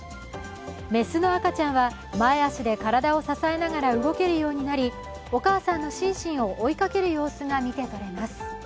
雌の赤ちゃんは、前足で体を支えながら動けるようになりお母さんのシンシンを追いかける様子が見てとれます。